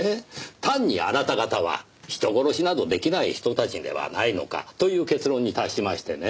単にあなた方は人殺しなど出来ない人たちではないのかという結論に達しましてね。